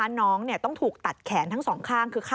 เดี๋ยวเราไปดูภาพบรรยากาศกันก่อนนะคะ